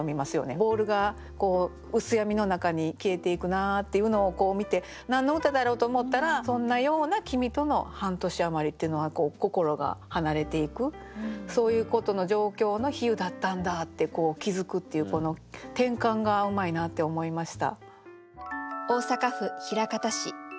ボールが薄闇の中に消えていくなっていうのを見て何の歌だろう？と思ったらそんなような「きみとの半年あまり」っていうのは心が離れていくそういうことの状況の比喩だったんだって気付くっていうこの転換がうまいなって思いました。